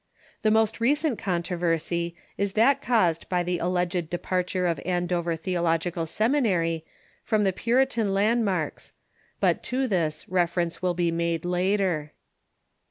The most recent controversy is that caused by the alleged depart ure of Andover Theological Seminary from the Puritan land marks ; but to this reference will be made later.